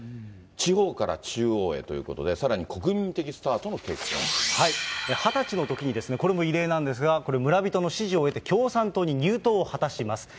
地方から中央へということで、２０歳のときに、これも異例なんですが、村人の支持を得て、共産党に入党を果たします。